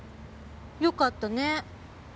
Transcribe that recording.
よかったね。